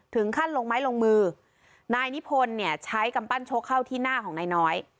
ถึงขั้นลงไม้ลงมือนายนิพนธ์เนี่ยใช้กำปั้นชกเข้าที่หน้าของนายน้อย